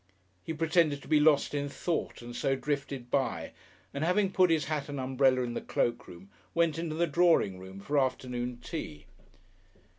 He pretended to be lost in thought and so drifted by, and having put hat and umbrella in the cloak room went into the drawing room for afternoon tea.